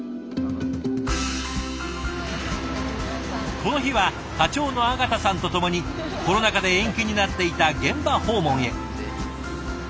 この日は課長の縣さんとともにコロナ禍で延期になっていた現場訪問へ。